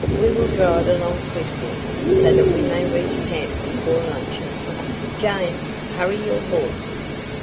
"We will drive along quickly, so that we may reach camp before luncheon. James, hurry your horse."